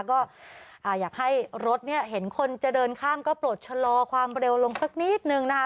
ก็อยากให้รถเนี่ยเห็นคนจะเดินข้ามก็ปลดชะลอความเร็วลงสักนิดนึงนะคะ